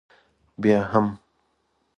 بیا هم.